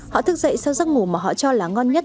họ thức dậy sau giấc ngủ mà họ cho là ngon nhất